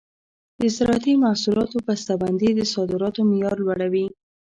د زراعتي محصولاتو بسته بندي د صادراتو معیار لوړوي.